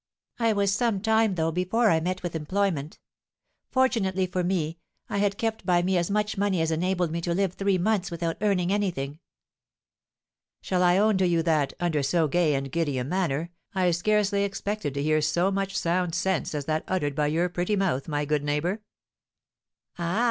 I was some time, though, before I met with employment. Fortunately for me, I had kept by me as much money as enabled me to live three months without earning anything." "Shall I own to you that, under so gay and giddy a manner, I scarcely expected to hear so much sound sense as that uttered by your pretty mouth, my good neighbour?" "Ah!